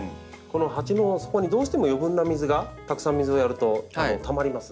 鉢の底にどうしても余分な水がたくさん水をやるとたまります。